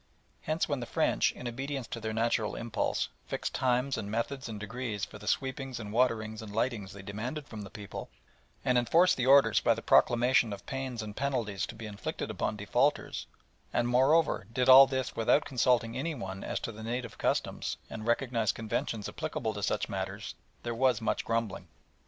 Hence when the French, in obedience to their natural impulse, fixed times and methods and degrees for the sweepings and waterings and lightings they demanded from the people, and enforced the orders by the proclamation of pains and penalties to be inflicted upon defaulters, and, moreover, did all this without consulting anyone as to the native customs and recognised conventions applicable to such matters, there was much grumbling.